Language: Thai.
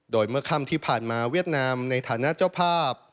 โดยเมื่อค่ำที่ผ่านมาเวียดนามในฐานะเจ้าภาพ